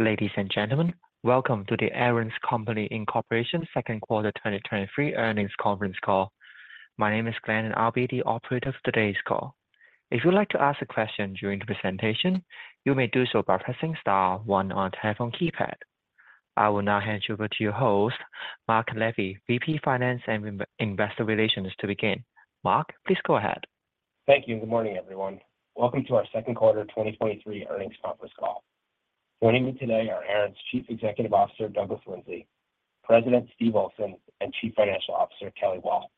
Ladies and gentlemen, welcome to The Aaron's Company, Inc. Second Quarter 2023 Earnings Conference Call. My name is Glenn, and I'll be the operator for today's call. If you'd like to ask a question during the presentation, you may do so by pressing star one on your telephone keypad. I will now hand you over to your host, Marc Levee, VP Finance and Investor Relations, to begin. Marc, please go ahead. Thank you, good morning, everyone. Welcome to our second quarter 2023 earnings conference call. Joining me today are Aaron's Chief Executive Officer, Douglas Lindsay; President, Steve Olsen; and Chief Financial Officer, C. Kelly Wall.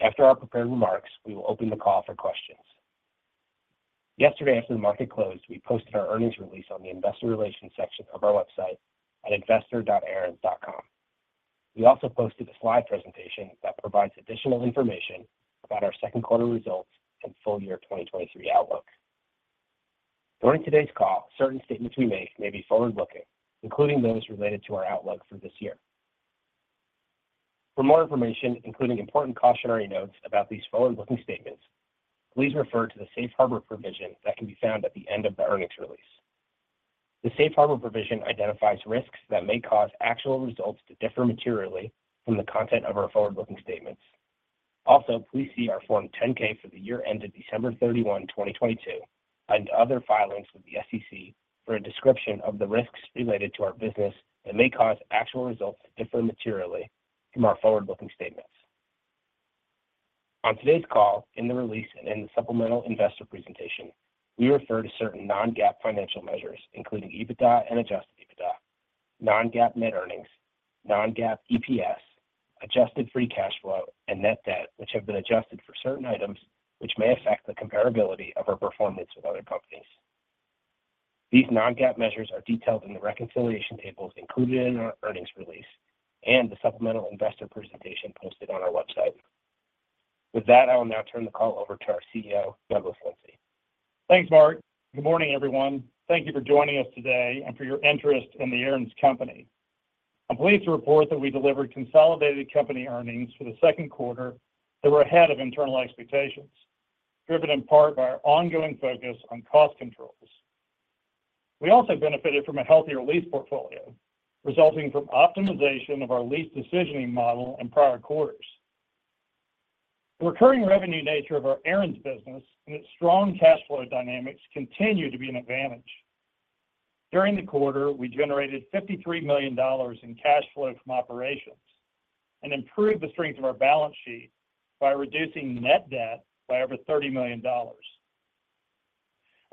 After our prepared remarks, we will open the call for questions. Yesterday, after the market closed, we posted our earnings release on the investor relations section of our website at investor.aarons.com. We also posted a slide presentation that provides additional information about our second quarter results and full year 2023 outlook. During today's call, certain statements we make may be forward-looking, including those related to our outlook for this year. For more information, including important cautionary notes about these forward-looking statements, please refer to the safe harbor provision that can be found at the end of the earnings release. The safe harbor provision identifies risks that may cause actual results to differ materially from the content of our forward-looking statements. Also, please see our Form 10-K for the year ended December 31, 2022, and other filings with the SEC for a description of the risks related to our business that may cause actual results to differ materially from our forward-looking statements. On today's call, in the release, and in the supplemental investor presentation, we refer to certain non-GAAP financial measures, including EBITDA and adjusted EBITDA, non-GAAP net earnings, non-GAAP EPS, adjusted free cash flow, and net debt, which have been adjusted for certain items which may affect the comparability of our performance with other companies. These non-GAAP measures are detailed in the reconciliation tables included in our earnings release and the supplemental investor presentation posted on our website. With that, I will now turn the call over to our CEO, Douglas Lindsay. Thanks, Marc. Good morning, everyone. Thank you for joining us today and for your interest in the Aaron's Company. I'm pleased to report that we delivered consolidated company earnings for the second quarter that were ahead of internal expectations, driven in part by our ongoing focus on cost controls. We also benefited from a healthier lease portfolio, resulting from optimization of our lease decisioning model in prior quarters. The recurring revenue nature of our Aaron's business and its strong cash flow dynamics continue to be an advantage. During the quarter, we generated $53 million in cash flow from operations and improved the strength of our balance sheet by reducing net debt by over $30 million.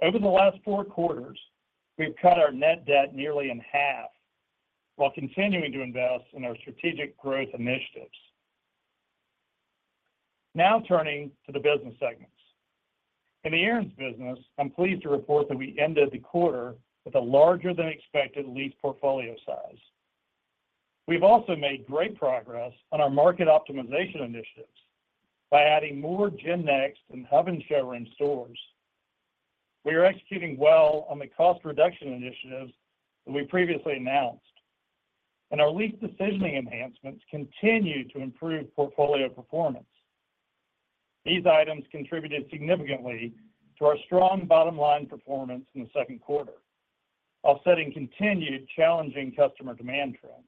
Over the last four quarters, we've cut our net debt nearly in half while continuing to invest in our strategic growth initiatives. Now, turning to the business segments. In the Aaron's business, I'm pleased to report that we ended the quarter with a larger-than-expected lease portfolio size. We've also made great progress on our market optimization initiatives by adding more GenNext and Hub and Showroom stores. Our lease decisioning enhancements continue to improve portfolio performance. These items contributed significantly to our strong bottom line performance in the second quarter, offsetting continued challenging customer demand trends.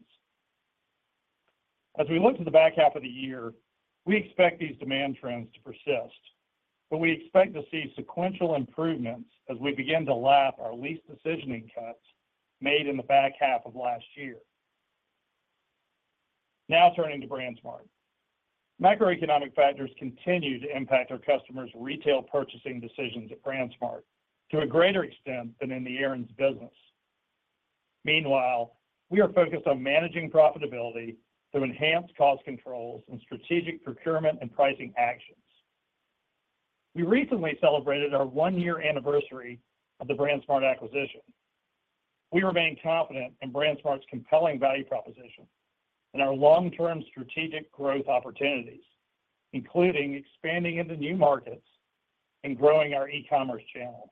As we look to the back half of the year, we expect these demand trends to persist, but we expect to see sequential improvements as we begin to lap our lease decisioning cuts made in the back half of last year. Now, turning to BrandsMart. Macroeconomic factors continue to impact our customers' retail purchasing decisions at BrandsMart to a greater extent than in the Aaron's business. Meanwhile, we are focused on managing profitability through enhanced cost controls and strategic procurement and pricing actions. We recently celebrated our one-year anniversary of the BrandsMart acquisition. We remain confident in BrandsMart's compelling value proposition and our long-term strategic growth opportunities, including expanding into new markets and growing our e-commerce channel.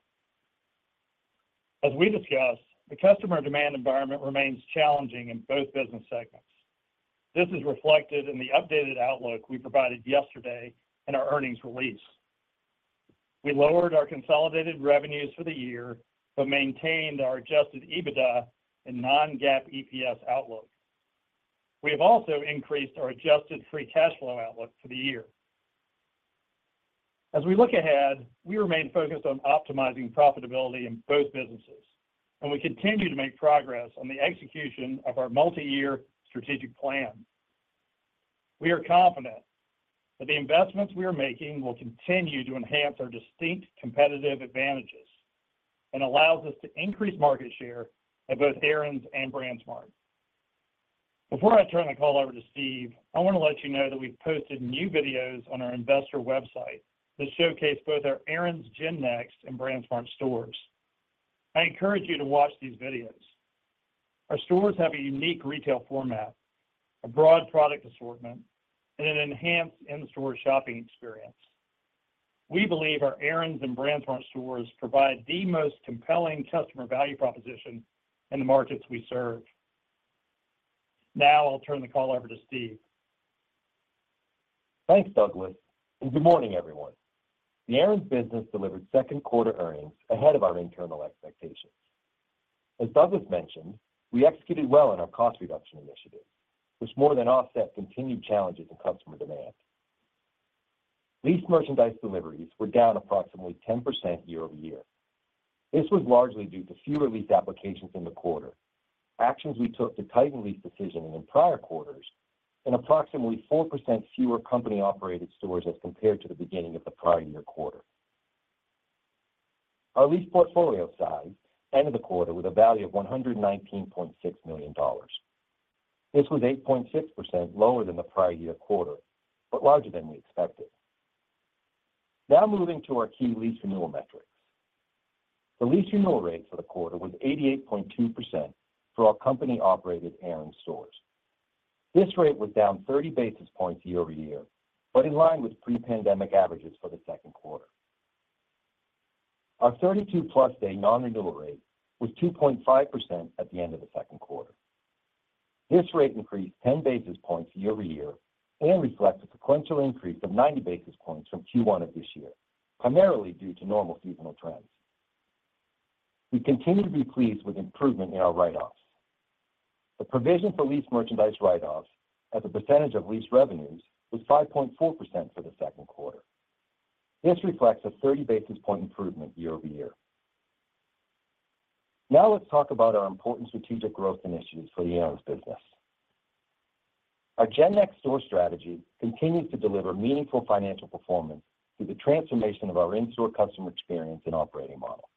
As we discussed, the customer demand environment remains challenging in both business segments. This is reflected in the updated outlook we provided yesterday in our earnings release. We lowered our consolidated revenues for the year but maintained our adjusted EBITDA and non-GAAP EPS outlook. We have also increased our adjusted free cash flow outlook for the year. As we look ahead, we remain focused on optimizing profitability in both businesses, and we continue to make progress on the execution of our multi-year strategic plan. We are confident that the investments we are making will continue to enhance our distinct competitive advantages and allows us to increase market share at both Aaron's and BrandsMart. Before I turn the call over to Steve, I want to let you know that we've posted new videos on our investor website that showcase both our Aaron's GenNext and BrandsMart stores. I encourage you to watch these videos. Our stores have a unique retail format, a broad product assortment, and an enhanced in-store shopping experience. We believe our Aaron's and BrandsMart stores provide the most compelling customer value proposition in the markets we serve. Now, I'll turn the call over to Steve. Thanks, Douglas, and good morning, everyone. The Aaron's business delivered second quarter earnings ahead of our internal expectations. As Douglas mentioned, we executed well on our cost reduction initiative, which more than offset continued challenges in customer demand. Lease merchandise deliveries were down approximately 10% year-over-year. This was largely due to fewer lease applications in the quarter, actions we took to tighten lease decisioning in prior quarters, and approximately 4% fewer company-operated stores as compared to the beginning of the prior-year quarter. Our lease portfolio size ended the quarter with a value of $119.6 million. This was 8.6% lower than the prior-year quarter, but larger than we expected. Now moving to our key lease renewal metrics. The lease renewal rate for the quarter was 88.2% for our company-operated Aaron's stores. This rate was down 30 basis points year-over-year, but in line with pre-pandemic averages for the second quarter. Our 32 plus day non-renewal rate was 2.5% at the end of the second quarter. This rate increased 10 basis points year-over-year and reflects a sequential increase of 90 basis points from Q1 of this year, primarily due to normal seasonal trends. We continue to be pleased with improvement in our write-offs. The provision for lease merchandise write-offs as a percentage of lease revenues, was 5.4% for the second quarter. This reflects a 30 basis point improvement year-over-year. Now, let's talk about our important strategic growth initiatives for the Aaron's business. Our GenNext store strategy continues to deliver meaningful financial performance through the transformation of our in-store customer experience and operating model.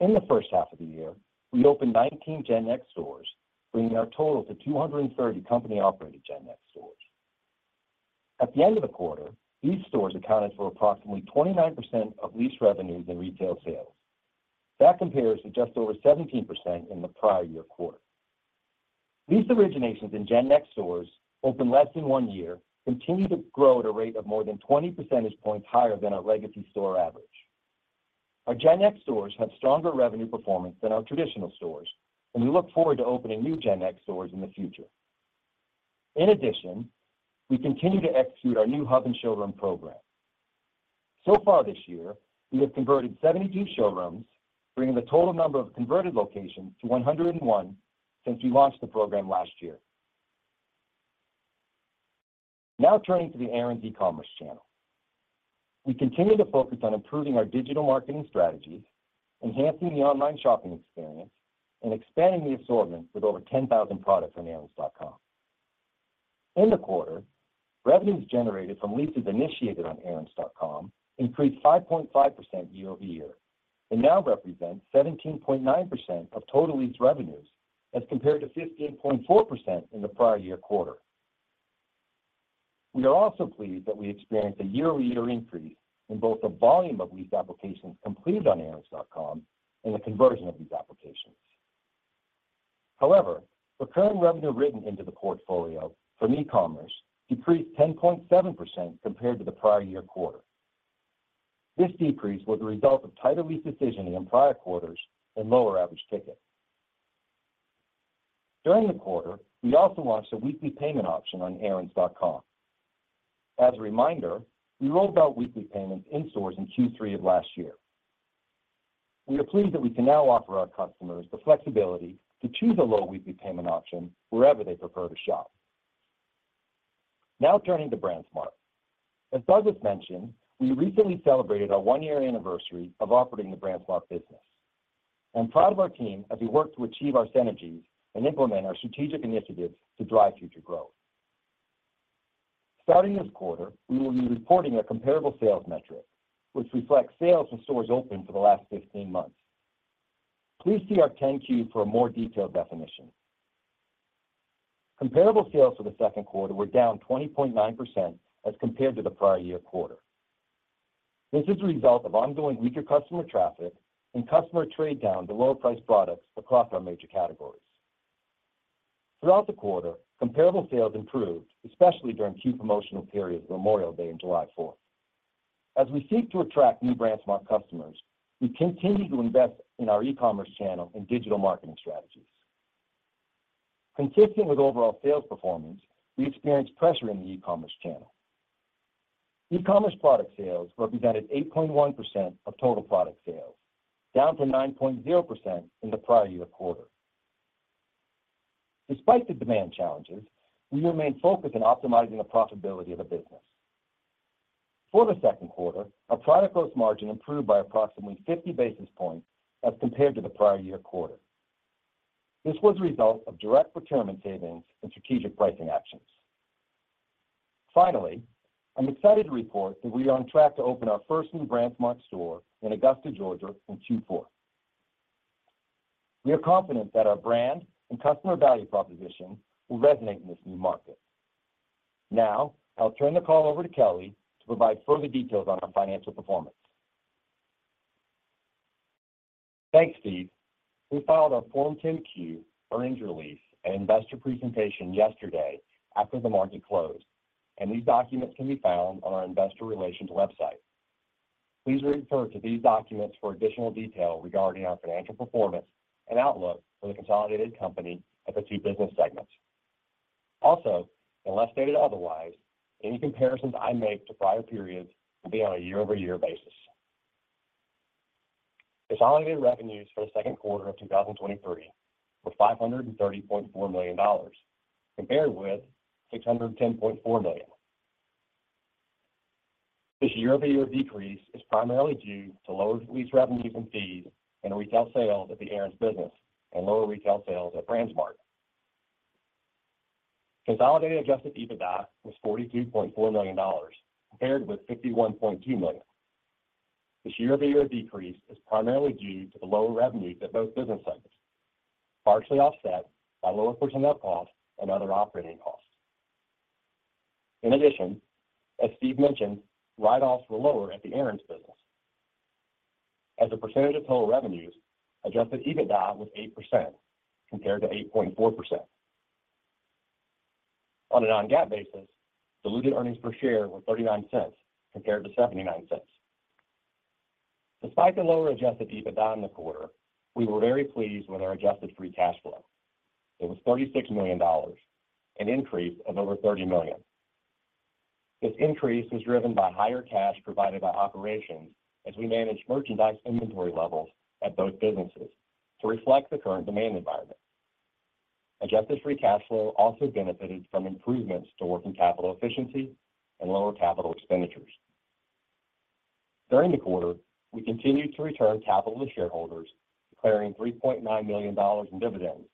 In the first half of the year, we opened 19 GenNext stores, bringing our total to 230 company-operated GenNext stores. At the end of the quarter, these stores accounted for approximately 29% of lease revenues and retail sales. That compares to just over 17% in the prior year quarter. Lease originations in GenNext stores opened less than 1 year, continue to grow at a rate of more than 20 percentage points higher than our legacy store average. Our GenNext stores have stronger revenue performance than our traditional stores, and we look forward to opening new GenNext stores in the future. In addition, we continue to execute our new Hub and Showroom program. Far this year, we have converted 72 showrooms, bringing the total number of converted locations to 101 since we launched the program last year. Turning to the Aaron's e-commerce channel. We continue to focus on improving our digital marketing strategies, enhancing the online shopping experience, and expanding the assortment with over 10,000 products on aarons.com. In the quarter, revenues generated from leases initiated on aarons.com increased 5.5% year-over-year, and now represent 17.9% of total lease revenues, as compared to 15.4% in the prior year quarter. We are also pleased that we experienced a year-over-year increase in both the volume of lease applications completed on aarons.com and the conversion of these applications. Recurring revenue written into the portfolio from e-commerce decreased 10.7% compared to the prior year quarter. This decrease was a result of tighter lease decisioning in prior quarters and lower average ticket. During the quarter, we also launched a weekly payment option on aarons.com. As a reminder, we rolled out weekly payments in stores in Q3 of last year. We are pleased that we can now offer our customers the flexibility to choose a low weekly payment option wherever they prefer to shop. Now, turning to BrandsMart. As Douglas mentioned, we recently celebrated our 1-year anniversary of operating the BrandsMart business. I'm proud of our team as we work to achieve our synergies and implement our strategic initiatives to drive future growth. Starting this quarter, we will be reporting a comparable sales metric, which reflects sales from stores open for the last 15 months. Please see our 10-Q for a more detailed definition. Comparable sales for the second quarter were down 20.9% as compared to the prior year quarter. This is a result of ongoing weaker customer traffic and customer trade down to lower priced products across our major categories. Throughout the quarter, comparable sales improved, especially during key promotional periods, Memorial Day and July Fourth. As we seek to attract new BrandsMart customers, we continue to invest in our e-commerce channel and digital marketing strategies. Consistent with overall sales performance, we experienced pressure in the e-commerce channel. E-commerce product sales represented 8.1% of total product sales, down from 9.0% in the prior year quarter. Despite the demand challenges, we remain focused on optimizing the profitability of the business. For the second quarter, our product cost margin improved by approximately 50 basis points as compared to the prior year quarter. This was a result of direct procurement savings and strategic pricing actions. Finally, I'm excited to report that we are on track to open our first new BrandsMart store in Augusta, Georgia in Q4. We are confident that our brand and customer value proposition will resonate in this new market. I'll turn the call over to Kelly to provide further details on our financial performance. Thanks, Steve. We filed our Form 10-Q earnings release and investor presentation yesterday after the market closed. These documents can be found on our investor relations website. Please refer to these documents for additional detail regarding our financial performance and outlook for the consolidated company at the two business segments. Unless stated otherwise, any comparisons I make to prior periods will be on a year-over-year basis. Consolidated revenues for the second quarter of 2023 were $530.4 million, compared with $610.4 million. This year-over-year decrease is primarily due to lower lease revenues and fees and retail sales at the Aaron's business and lower retail sales at Brands Mart. Consolidated adjusted EBITDA was $42.4 million, compared with $61.2 million. This year-over-year decrease is primarily due to the lower revenues at both business segments, partially offset by lower personnel costs and other operating costs. In addition, as Steve mentioned, write-offs were lower at the Aaron's business. As a percentage of total revenues, adjusted EBITDA was 8% compared to 8.4%. On a non-GAAP basis, diluted earnings per share were $0.39 compared to $0.79. Despite the lower adjusted EBITDA in the quarter, we were very pleased with our adjusted free cash flow. It was $36 million, an increase of over $30 million. This increase was driven by higher cash provided by operations as we managed merchandise inventory levels at both businesses to reflect the current demand environment. Adjusted free cash flow also benefited from improvements to working capital efficiency and lower capital expenditures. During the quarter, we continued to return capital to shareholders, declaring $3.9 million in dividends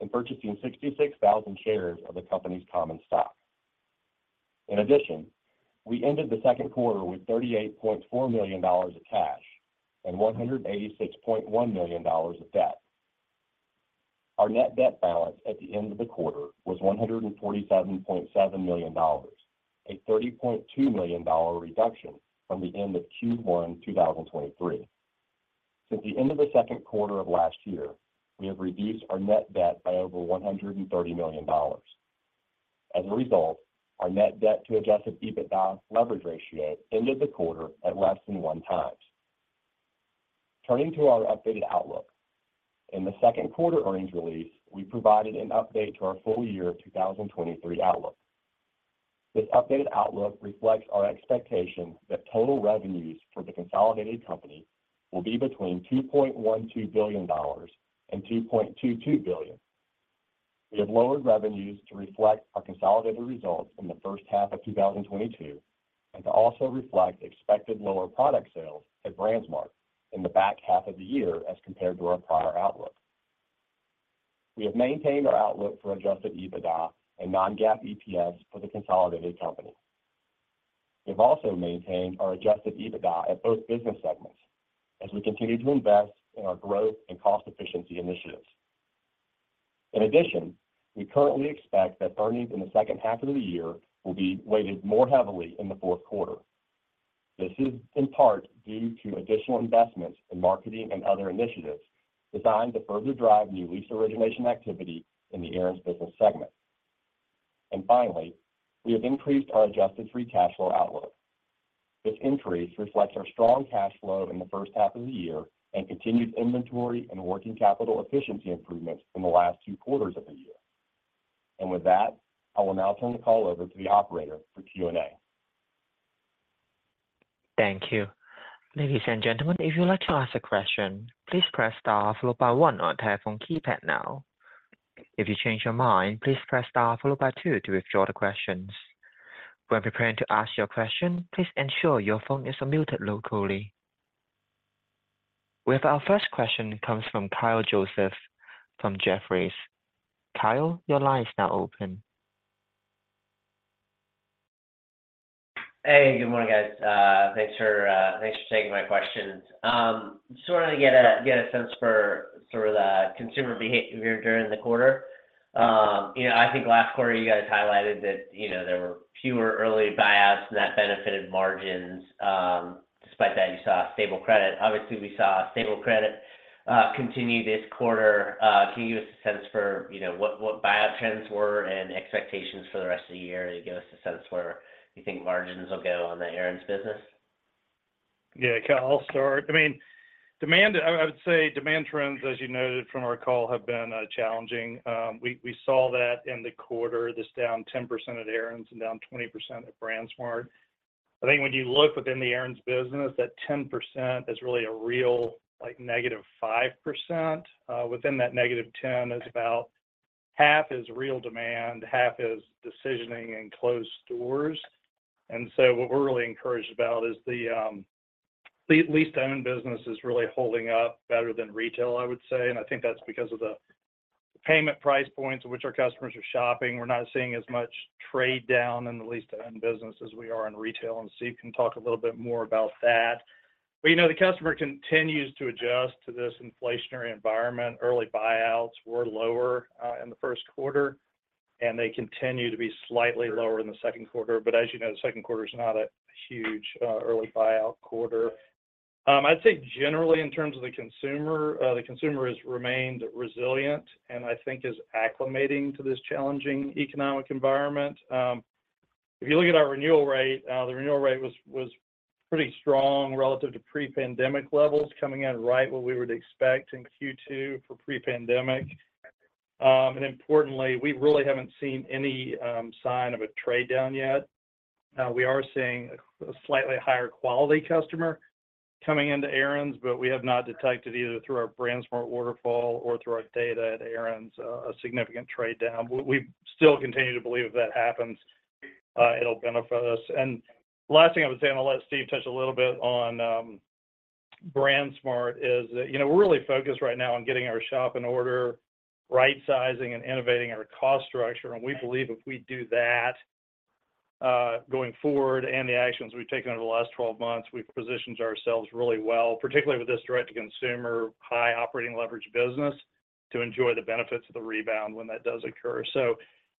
and purchasing 66,000 shares of the company's common stock. In addition, we ended the second quarter with $38.4 million of cash and $186.1 million of debt. Our net debt balance at the end of the quarter was $147.7 million, a $30.2 million reduction from the end of Q1 2023. Since the end of the second quarter of last year, we have reduced our net debt by over $130 million. As a result, our net debt to adjusted EBITDA leverage ratio ended the quarter at less than 1 times. Turning to our updated outlook. In the second quarter earnings release, we provided an update to our full year 2023 outlook. This updated outlook reflects our expectation that total revenues for the consolidated company will be between $2.12 billion and $2.22 billion. We have lowered revenues to reflect our consolidated results in the first half of 2022, and to also reflect expected lower product sales at BrandsMart in the back half of the year as compared to our prior outlook. We have maintained our outlook for adjusted EBITDA and non-GAAP EPS for the consolidated company. We've also maintained our adjusted EBITDA at both business segments as we continue to invest in our growth and cost efficiency initiatives. In addition, we currently expect that earnings in the second half of the year will be weighted more heavily in the fourth quarter. This is in part due to additional investments in marketing and other initiatives designed to further drive new lease origination activity in the Aaron's business segment. Finally, we have increased our adjusted free cash flow outlook. This increase reflects our strong cash flow in the first half of the year and continued inventory and working capital efficiency improvements in the last 2 quarters of the year. With that, I will now turn the call over to the operator for Q&A. Thank you. Ladies and gentlemen, if you'd like to ask a question, please press star followed by one on your telephone keypad now. If you change your mind, please press star followed by two to withdraw the questions. When preparing to ask your question, please ensure your phone is muted locally. We have our first question comes from Kyle Joseph, from Jefferies. Kyle, your line is now open. Hey, good morning, guys. thanks for taking my questions. I wanna get a sense for sort of the consumer behavior during the quarter. You know, I think last quarter you guys highlighted that, you know, there were fewer early buyouts and that benefited margins. Despite that, you saw stable credit. Obviously, we saw stable credit continue this quarter. Can you give us a sense for, you know, what buyout trends were and expectations for the rest of the year to give us a sense where you think margins will go on the Aaron's business? Yeah, Kyle, I'll start. I mean, demand, I, I would say demand trends, as you noted from our call, have been challenging. We, we saw that in the quarter, this down 10% at Aaron's and down 20% at BrandsMart U.S.A.. I think when you look within the Aaron's business, that 10% is really a real, like negative 5%. Within that negative 10% is about half is real demand, half is decisioning and closed doors. What we're really encouraged about is the lease-to-own business is really holding up better than retail, I would say. I think that's because of the payment price points at which our customers are shopping. We're not seeing as much trade down in the lease-to-own business as we are in retail, and Steve can talk a little bit more about that. You know, the customer continues to adjust to this inflationary environment. Early buyouts were lower in the first quarter, and they continue to be slightly lower in the second quarter. As you know, the second quarter is not a huge early buyout quarter. I'd say generally, in terms of the consumer, the consumer has remained resilient and I think is acclimating to this challenging economic environment. If you look at our renewal rate, the renewal rate was, was pretty strong relative to pre-pandemic levels, coming in right where we would expect in Q2 for pre-pandemic. Importantly, we really haven't seen any sign of a trade-down yet. We are seeing a slightly higher quality customer coming into Aaron's, but we have not detected either through our BrandsMart waterfall or through our data at Aaron's, a significant trade-down. We still continue to believe if that happens, it'll benefit us. The last thing I would say, and I'll let Steve touch a little bit on, BrandsMart, is that, you know, we're really focused right now on getting our shop in order, right-sizing and innovating our cost structure. We believe if we do that, going forward and the actions we've taken over the last 12 months, we've positioned ourselves really well, particularly with this direct-to-consumer, high operating leverage business, to enjoy the benefits of the rebound when that does occur.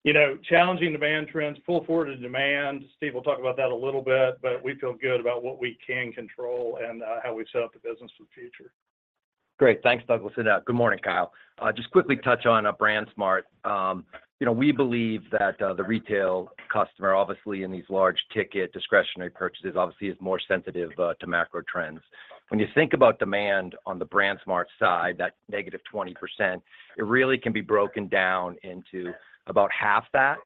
You know, challenging demand trends, full forward of demand. Steve will talk about that a little bit, but we feel good about what we can control and how we set up the business for the future. Great. Thanks, Douglas. Good morning, Kyle. Just quickly touch on BrandsMart. You know, we believe that the retail customer, obviously in these large ticket discretionary purchases, obviously is more sensitive to macro trends. When you think about demand on the BrandsMart side, that -20%, it really can be broken down into about half that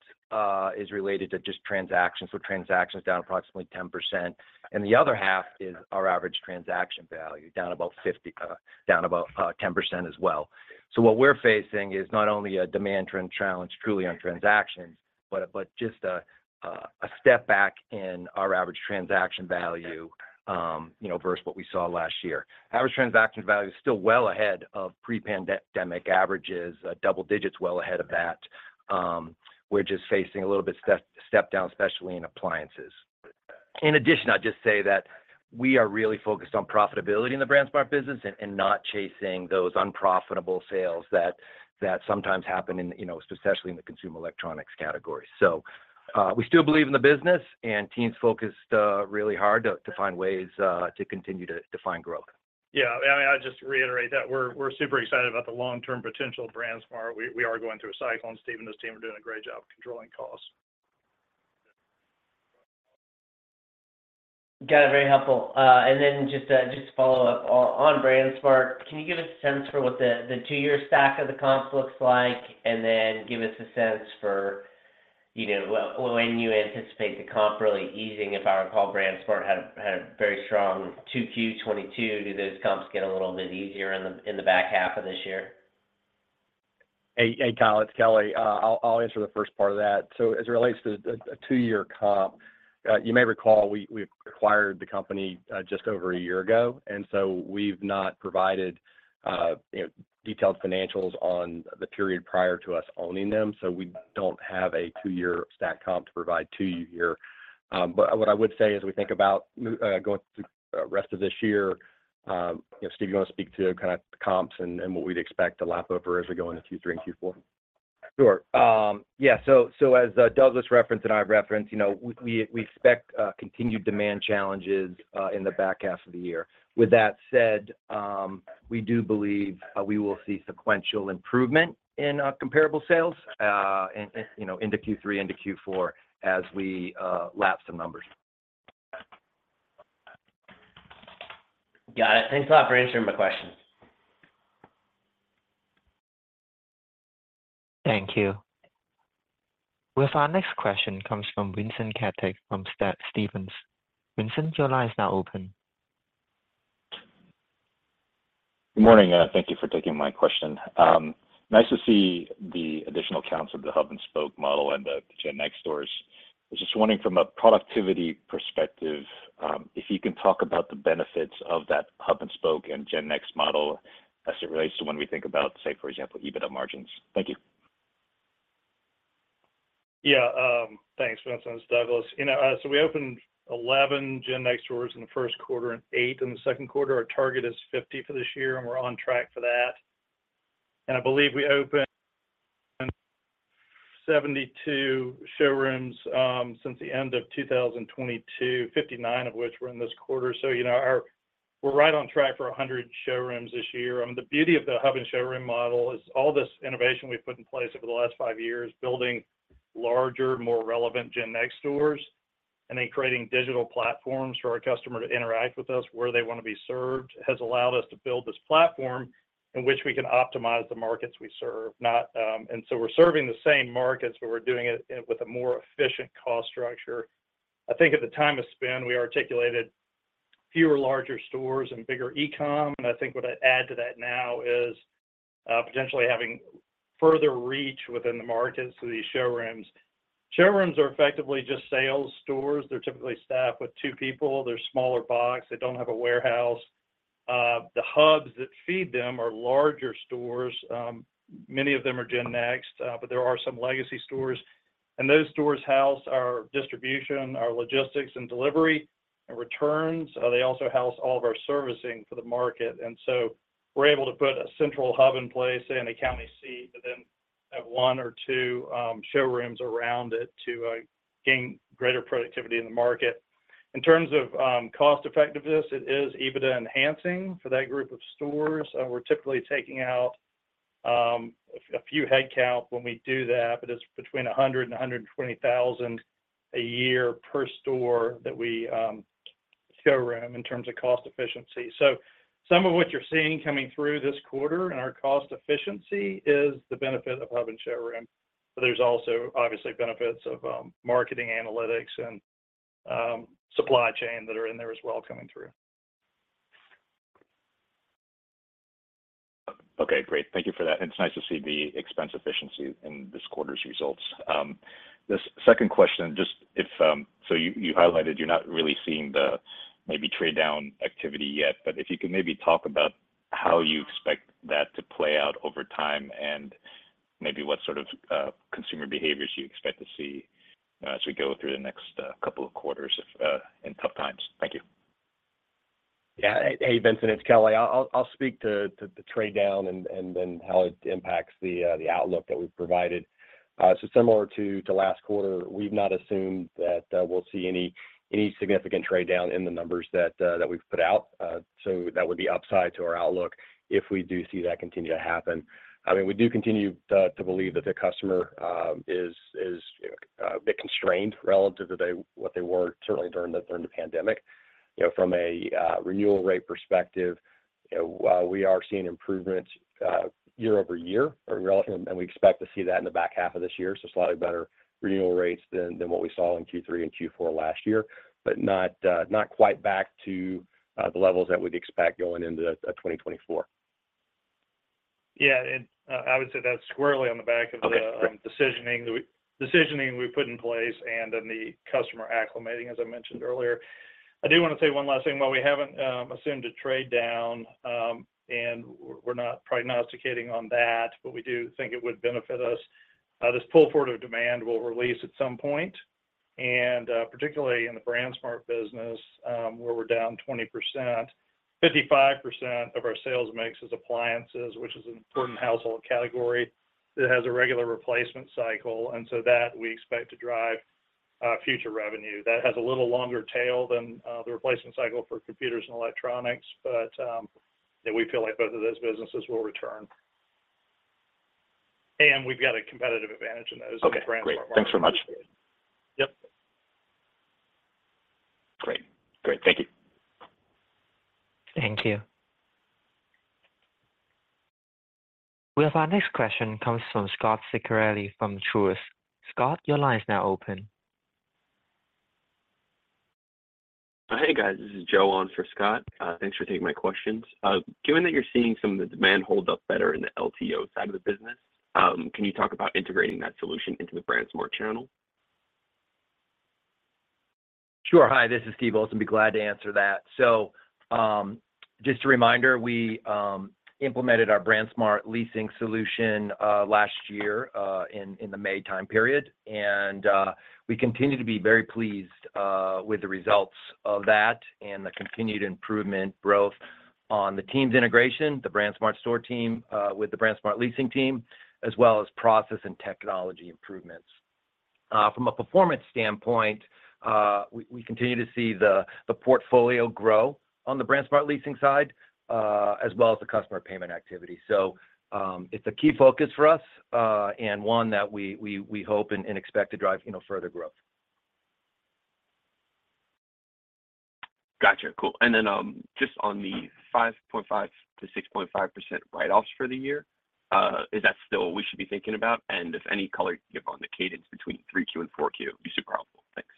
is related to just transactions, so transactions down approximately 10%, and the other half is our average transaction value, down about 50, down about 10% as well. What we're facing is not only a demand trend challenge truly on transactions, but, but just a step back in our average transaction value, you know, versus what we saw last year. Average transaction value is still well ahead of pre-pandemic averages, double digits well ahead of that. We're just facing a little bit step, step down, especially in appliances. In addition, I'd just say that we are really focused on profitability in the BrandsMart business and not chasing those unprofitable sales that sometimes happen in, you know, especially in the consumer electronics category. We still believe in the business, and team's focused really hard to find ways to continue to find growth. Yeah, I mean, I just reiterate that we're, we're super excited about the long-term potential of BrandsMart. We, we are going through a cycle, and Steve and his team are doing a great job controlling costs. Got it. Very helpful. Just, just to follow up on BrandsMart, can you give us a sense for what the, the 2-year stack of the comps looks like, and then give us a sense for, you know, when you anticipate the comp really easing? If I recall, BrandsMart had a, had a very strong 2 Q22, do those comps get a little bit easier in the, in the back half of this year? Hey, hey, Kyle, it's Kelly. I'll, I'll answer the first part of that. As it relates to a, a 2-year comp, you may recall, we, we acquired the company just over 1 year ago, and so we've not provided, you know, detailed financials on the period prior to us owning them, so we don't have a 2-year stack comp to provide to you here. What I would say is we think about going through the rest of this year, you know, Steve, you wanna speak to kind of comps and, and what we'd expect to lap over as we go into Q3 and Q4? Sure. As Douglas referenced and I've referenced, you know, we, we expect continued demand challenges in the back half of the year. With that said, we do believe we will see sequential improvement in comparable sales and into Q3, into Q4 as we lap some numbers. Got it. Thanks a lot for answering my questions. Thank you. With our next question comes from Vincent Caintic, from Stephens. Vincent, your line is now open. Good morning, thank you for taking my question. Nice to see the additional counts of the hub and spoke model and the GenNext stores. I was just wondering from a productivity perspective, if you can talk about the benefits of that hub and spoke and GenNext model as it relates to when we think about, say, for example, EBITDA margins. Thank you. Yeah, thanks, Vincent. It's Douglas. You know, we opened 11 GenNext stores in the first quarter and 8 in the second quarter. Our target is 50 for this year, and we're on track for that. I believe we opened 72 showrooms since the end of 2022, 59 of which were in this quarter. You know, our... We're right on track for 100 showrooms this year. The beauty of the hub and showroom model is all this innovation we've put in place over the last five years, building larger, more relevant GenNext stores, and then creating digital platforms for our customer to interact with us where they want to be served, has allowed us to build this platform in which we can optimize the markets we serve, not... We're serving the same markets, but we're doing it with a more efficient cost structure. I think at the time of spin, we articulated fewer larger stores and bigger e-com, and I think what I'd add to that now is potentially having further reach within the markets to these showrooms. Showrooms are effectively just sales stores. They're typically staffed with two people. They're smaller box. They don't have a warehouse. The hubs that feed them are larger stores, many of them are GenNext, but there are some legacy stores. Those stores house our distribution, our logistics and delivery, and returns. They also house all of our servicing for the market, we're able to put a central hub in place and a county seat, but then-... have one or two showrooms around it to gain greater productivity in the market. In terms of cost effectiveness, it is EBITDA-enhancing for that group of stores. We're typically taking out a few headcount when we do that, but it's between $120,000 a year per store that we showroom in terms of cost efficiency. Some of what you're seeing coming through this quarter in our cost efficiency is the benefit of hub and showroom, but there's also obviously benefits of marketing analytics and supply chain that are in there as well coming through. Okay, great. Thank you for that. It's nice to see the expense efficiency in this quarter's results. This second question, just if, so you, you highlighted you're not really seeing the maybe trade-down activity yet, but if you could maybe talk about how you expect that to play out over time and maybe what sort of consumer behaviors you expect to see as we go through the next couple of quarters if in tough times. Thank you. Yeah. Hey, Vincent, it's Kelly. I'll, I'll speak to, to the trade down and, and then how it impacts the outlook that we've provided. Similar to, to last quarter, we've not assumed that we'll see any, any significant trade down in the numbers that that we've put out. That would be upside to our outlook if we do see that continue to happen. I mean, we do continue to believe that the customer is, is a bit constrained relative to what they were certainly during the, during the pandemic. You know, from a renewal rate perspective, while we are seeing improvements, year-over-year or, and we expect to see that in the back half of this year, so slightly better renewal rates than what we saw in Q3 and Q4 last year, but not quite back to the levels that we'd expect going into 2024. Yeah, I would say that's squarely on the back of. Okay, great.... decisioning, the decisioning we put in place and then the customer acclimating, as I mentioned earlier. I do wanna say one last thing. While we haven't assumed a trade down, and we're not prognosticating on that, but we do think it would benefit us. This pull forward of demand will release at some point, and particularly in the BrandsMart business, where we're down 20%, 55% of our sales mix is appliances, which is an important household category that has a regular replacement cycle, and so that we expect to drive future revenue. That has a little longer tail than the replacement cycle for computers and electronics, but yeah, we feel like both of those businesses will return. We've got a competitive advantage in those brands as well. Okay, great. Thanks so much. Yep. Great. Great. Thank you. Thank you. We have our next question comes from Scot Ciccarelli from Truist. Scot, your line is now open. Hey, guys, this is Joey on for Scot. Thanks for taking my questions. Given that you're seeing some of the demand hold up better in the LTO side of the business, can you talk about integrating that solution into the BrandsMart channel? Sure. Hi, this is Steve Olsen. Be glad to answer that. Just a reminder, we implemented our BrandsMart leasing solution last year in the May time period, and we continue to be very pleased with the results of that and the continued improvement growth on the teams integration, the BrandsMart Store team with the BrandsMart Leasing team, as well as process and technology improvements. From a performance standpoint, we continue to see the portfolio grow on the BrandsMart Leasing side, as well as the customer payment activity. It's a key focus for us, and one that we, we, we hope and expect to drive, you know, further growth. Gotcha. Cool. Just on the 5.5%-6.5% write-offs for the year, is that still what we should be thinking about? If any color you can give on the cadence between 3Q and 4Q would be super helpful. Thanks.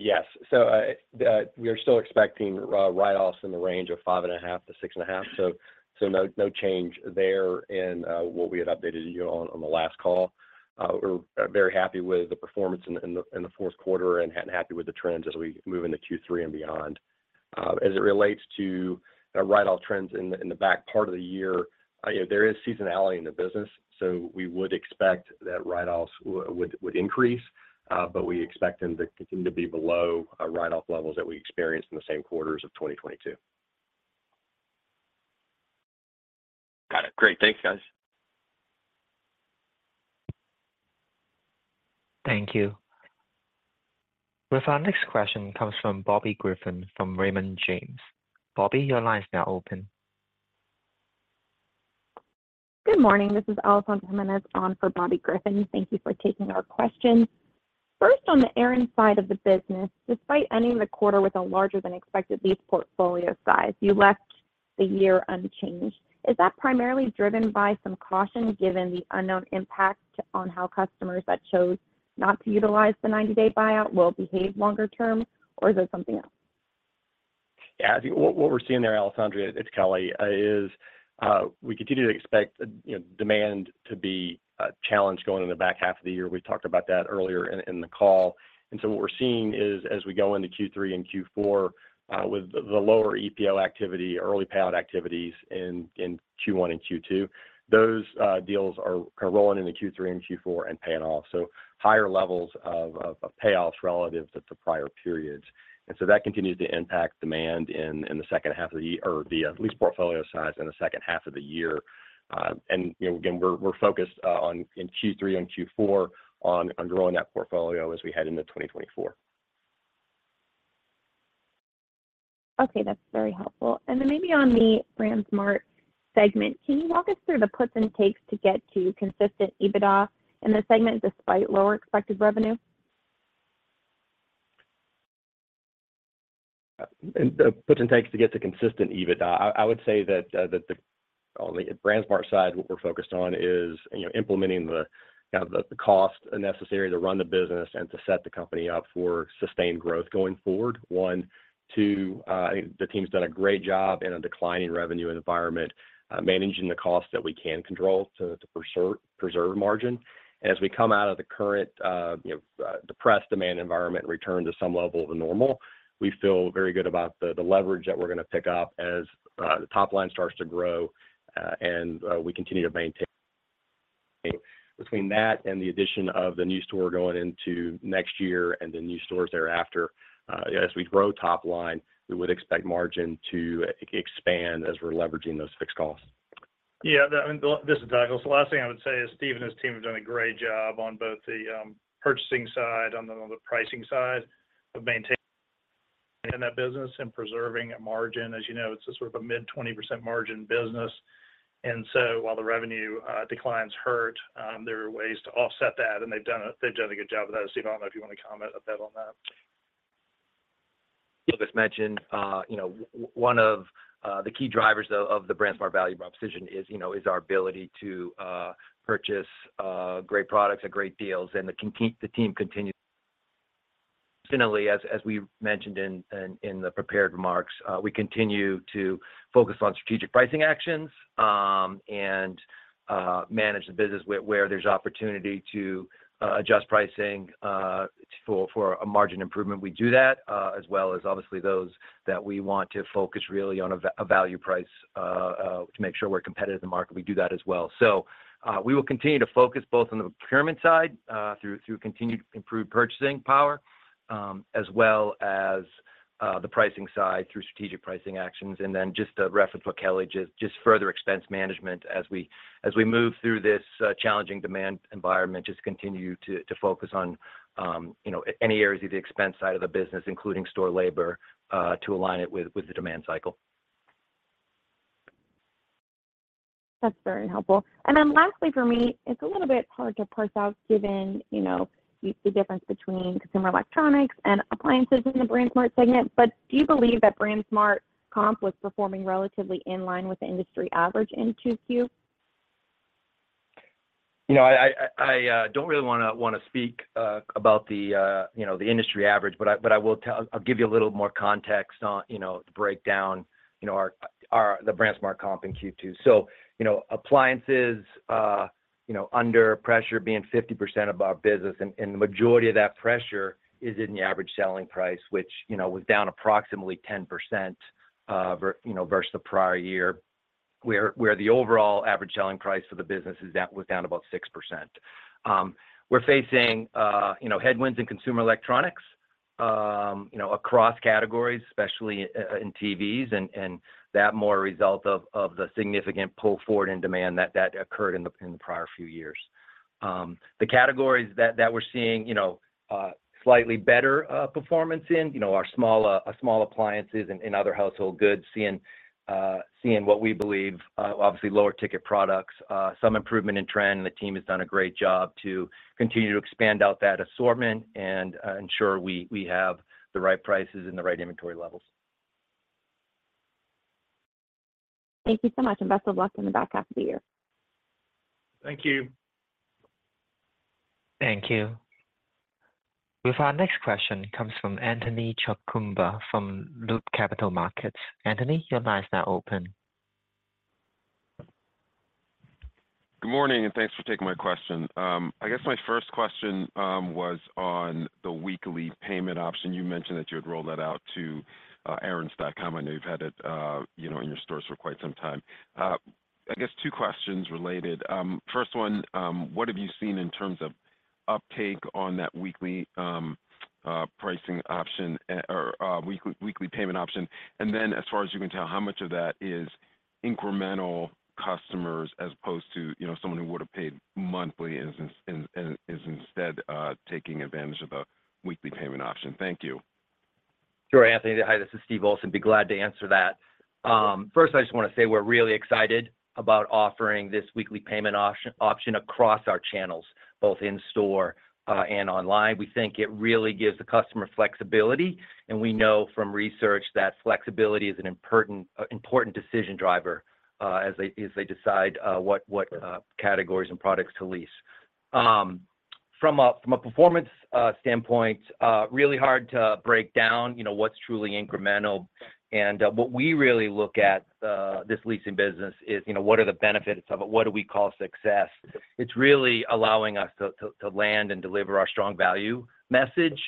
Yes. We are still expecting write-offs in the range of 5.5%-6.5%, so no change there in what we had updated you on on the last call. We are very happy with the performance in the fourth quarter and happy with the trends as we move into Q3 and beyond. As it relates to write-off trends in the back part of the year, you know, there is seasonality in the business, so we would expect that write-offs would increase, but we expect them to continue to be below write-off levels that we experienced in the same quarters of 2022. Got it. Great. Thanks, guys. Thank you. With our next question comes from Bobby Griffin, from Raymond James. Bobby, your line is now open. Good morning. This is Alessandra Jimenez on for Bobby Griffin. Thank you for taking our questions. First, on the Aaron side of the business, despite ending the quarter with a larger than expected lease portfolio size, you left the year unchanged. Is that primarily driven by some caution, given the unknown impact on how customers that chose not to utilize the 90-day buyout will behave longer term, or is there something else? Yeah, I think what, what we're seeing there, Alessandra, it's Kelly, is, we continue to expect, you know, demand to be challenged going in the back half of the year. We talked about that earlier in, in the call. What we're seeing is, as we go into Q3 and Q4, with the, the lower EPO activity, early payout activities in, in Q1 and Q2, those deals are kind of rolling into Q3 and Q4 and paying off. Higher levels of, of, of payoffs relative to the prior periods. That continues to impact demand in, in the second half of the year or the lease portfolio size in the second half of the year. And, you know, again, we're, we're focused on, in Q3 and Q4 on, on growing that portfolio as we head into 2024. Okay, that's very helpful. Then maybe on the BrandsMart segment, can you walk us through the puts and takes to get to consistent EBITDA in the segment despite lower expected revenue? The puts and takes to get to consistent EBITDA, I, I would say that the, on the BrandsMart side, what we're focused on is, you know, implementing the, kind of the, the cost necessary to run the business and to set the company up for sustained growth going forward, one. Two, I think the team's done a great job in a declining revenue environment, managing the costs that we can control to preserve margin. As we come out of the current, you know, depressed demand environment and return to some level of normal, we feel very good about the, the leverage that we're gonna pick up as the top line starts to grow, and we continue to maintain. Between that and the addition of the new store going into next year and the new stores thereafter, as we grow top line, we would expect margin to expand as we're leveraging those fixed costs. Yeah, this is Douglas. The last thing I would say is Steve and his team have done a great job on both the purchasing side and then on the pricing side of maintaining that business and preserving a margin. As you know, it's a sort of a mid-20% margin business, and so while the revenue declines hurt, there are ways to offset that, and they've done a, they've done a good job with that. Steve, I don't know if you want to comment a bit on that. Douglas mentioned, one of the key drivers of the BrandsMart value proposition is our ability to purchase great products at great deals. The team continually, as we mentioned in the prepared remarks, we continue to focus on strategic pricing actions, and manage the business where there's opportunity to adjust pricing for a margin improvement. We do that as well as obviously those that we want to focus really on a value price to make sure we're competitive in the market. We do that as well. We will continue to focus both on the procurement side, through continued improved purchasing power, as well as the pricing side through strategic pricing actions. Then just to reference what Kelly further expense management as we, as we move through this, challenging demand environment, just continue to focus on, you know, any areas of the expense side of the business, including store labor, to align it with the demand cycle. That's very helpful. Then lastly for me, it's a little bit hard to parse out, given, you know, the difference between consumer electronics and appliances in the BrandsMart segment, but do you believe that BrandsMart comp was performing relatively in line with the industry average in Q2? You know, I, I, I don't really wanna speak about the, you know, the industry average, but I will tell, I'll give you a little more context on, you know, the breakdown, you know, the BrandsMart comp in Q2. appliances, you know, under pressure being 50% of our business, and the majority of that pressure is in the average selling price, which, you know, was down approximately 10%, you know, versus the prior year, where the overall average selling price for the business is down, was down about 6%. We're facing, you know, headwinds in consumer electronics, you know, across categories, especially in TVs, and that more a result of the significant pull forward in demand that occurred in the prior few years. The categories that, that we're seeing, you know, slightly better performance in, you know, are small, small appliances and, and other household goods, seeing what we believe, obviously, lower ticket products, some improvement in trend. The team has done a great job to continue to expand out that assortment and ensure we, we have the right prices and the right inventory levels. Thank you so much, and best of luck in the back half of the year. Thank you. Thank you. Our next question comes from Anthony Chukumba from Loop Capital Markets. Anthony, your line is now open. Good morning, thanks for taking my question. I guess my first question was on the weekly payment option. You mentioned that you had rolled that out to aarons.com. I know you've had it, you know, in your stores for quite some time. I guess two questions related. First one, what have you seen in terms of uptake on that weekly pricing option or weekly, weekly payment option? Then, as far as you can tell, how much of that is incremental customers as opposed to, you know, someone who would have paid monthly and is, and, and is instead taking advantage of the weekly payment option? Thank you. Sure, Anthony. Hi, this is Steve Olsen. Be glad to answer that. First, I just want to say we're really excited about offering this weekly payment option across our channels, both in store and online. We think it really gives the customer flexibility, and we know from research that flexibility is an important decision driver as they, as they decide what, what categories and products to lease. From a, from a performance standpoint, really hard to break down, you know, what's truly incremental. What we really look at this leasing business is, you know, what are the benefits of it? What do we call success? It's really allowing us to land and deliver our strong value message,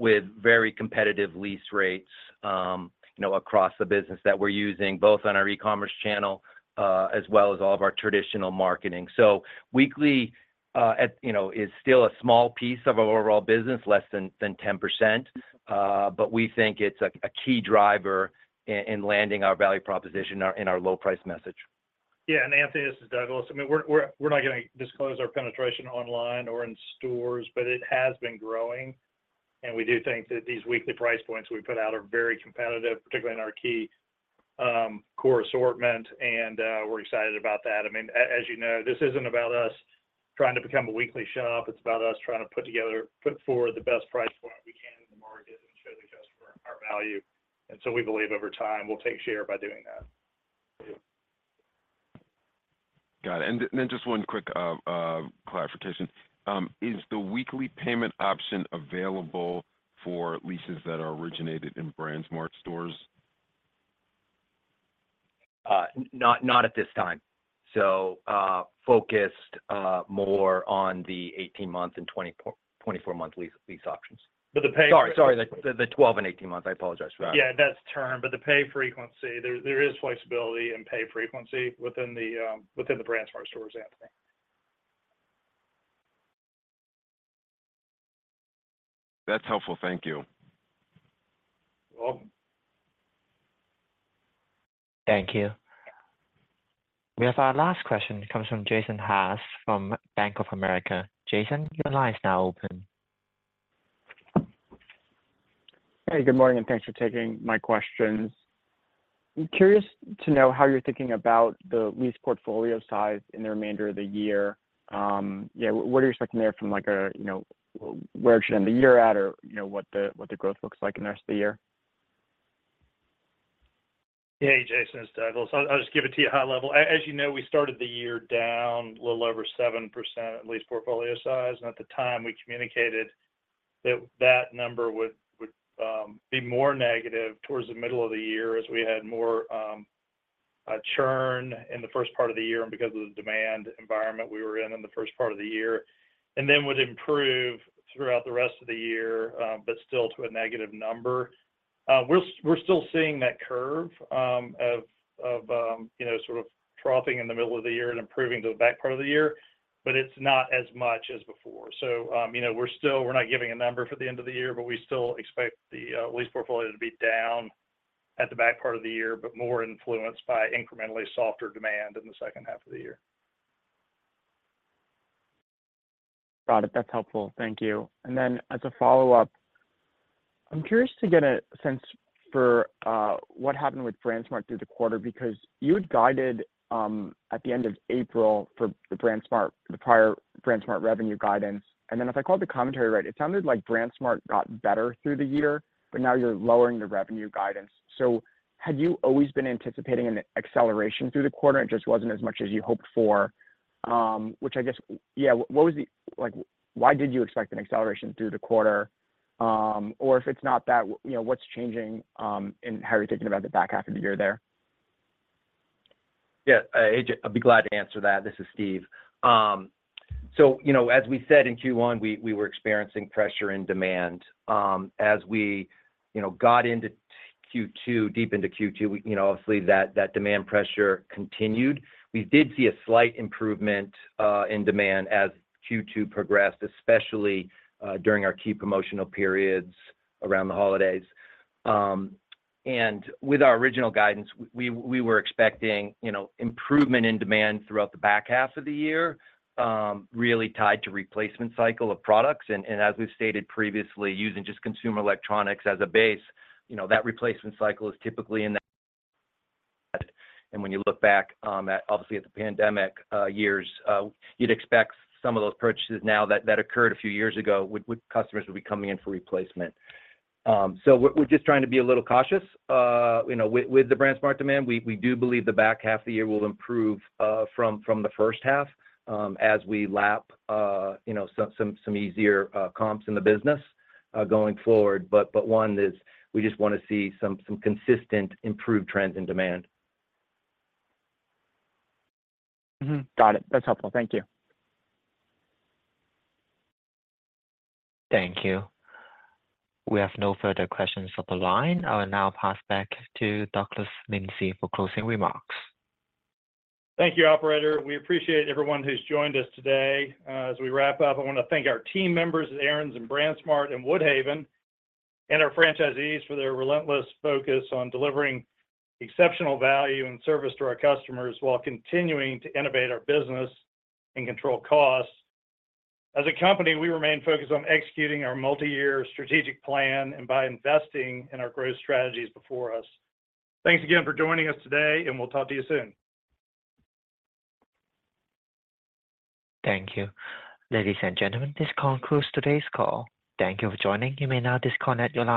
with very competitive lease rates, you know, across the business that we're using, both on our e-commerce channel, as well as all of our traditional marketing. Weekly, at, you know, is still a small piece of our overall business, less than 10%, but we think it's a key driver in landing our value proposition our, in our low price message. Yeah, Anthony, this is Douglas. I mean, we're not gonna disclose our penetration online or in stores, but it has been growing, and we do think that these weekly price points we put out are very competitive, particularly in our key core assortment, and we're excited about that. I mean, as you know, this isn't about us trying to become a weekly shop. It's about us trying to put forward the best price point we can in the market and show the customer our value. So we believe over time, we'll take share by doing that. Got it. Just one quick clarification. Is the weekly payment option available for leases that are originated in BrandsMart stores? Not, not at this time. Focused, more on the 18 months and 24, 24 month lease, lease options. the pay- Sorry, sorry, the, the 12 and 18 months. I apologize for that. Yeah, that's term, but the pay frequency, there, there is flexibility in pay frequency within the within the BrandsMart stores, Anthony. That's helpful. Thank you. Welcome. Thank you. We have our last question comes from Jason Haas from Bank of America. Jason, your line is now open. Hey, good morning. Thanks for taking my questions. I'm curious to know how you're thinking about the lease portfolio size in the remainder of the year. Yeah, what are you expecting there from like a, you know, where it should end the year at, or, you know, what the, what the growth looks like in the rest of the year? Hey, Jason Haas, it's Douglas Lindsay. I'll, I'll just give it to you high level. As you know, we started the year down a little over 7% lease portfolio size, and at the time, we communicated that that number would, would, be more negative towards the middle of the year as we had more, churn in the first part of the year and because of the demand environment we were in in the first part of the year. Then would improve throughout the rest of the year, but still to a negative number. We're still seeing that curve, of, you know, sort of dropping in the middle of the year and improving to the back part of the year, but it's not as much as before. You know, we're not giving a number for the end of the year, but we still expect the lease portfolio to be down at the back part of the year, but more influenced by incrementally softer demand in the second half of the year. Got it. That's helpful. Thank you. As a follow-up, I'm curious to get a sense for what happened with BrandsMart through the quarter, because you had guided at the end of April for the BrandsMart, the prior BrandsMart revenue guidance. If I called the commentary right, it sounded like BrandsMart got better through the year, but now you're lowering the revenue guidance. Had you always been anticipating an acceleration through the quarter, it just wasn't as much as you hoped for? Which I guess, yeah, Like, why did you expect an acceleration through the quarter? If it's not that, you know, what's changing, and how are you thinking about the back half of the year there? Yeah, Jay I'd be glad to answer that. This is Steve. You know, as we said in Q1, we, we were experiencing pressure in demand. As we, you know, got into Q2, deep into Q2, we, you know, obviously, that, that demand pressure continued. We did see a slight improvement in demand as Q2 progressed, especially during our key promotional periods around the holidays. With our original guidance, we, we, we were expecting, you know, improvement in demand throughout the back half of the year, really tied to replacement cycle of products, and, and as we've stated previously, using just consumer electronics as a base, you know, that replacement cycle is typically in that. When you look back, at obviously at the pandemic, years, you'd expect some of those purchases now that, that occurred a few years ago, would, would customers would be coming in for replacement. We're, we're just trying to be a little cautious, you know, with, with the BrandsMart demand. We, we do believe the back half of the year will improve, from, from the first half, as we lap, you know, some, some, some easier, comps in the business, going forward. But one is we just want to see some, some consistent improved trends in demand. Mm-hmm. Got it. That's helpful. Thank you. Thank you. We have no further questions on the line. I will now pass back to Douglas Lindsay for closing remarks. Thank you, operator. We appreciate everyone who's joined us today. As we wrap up, I want to thank our team members at Aaron's and BrandsMart and Woodhaven, and our franchisees for their relentless focus on delivering exceptional value and service to our customers while continuing to innovate our business and control costs. As a company, we remain focused on executing our multi-year strategic plan and by investing in our growth strategies before us. Thanks again for joining us today, and we'll talk to you soon. Thank you. Ladies and gentlemen, this concludes today's call. Thank you for joining. You may now disconnect your line.